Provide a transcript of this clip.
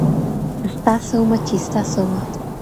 ستا سومه، چي ستا سومه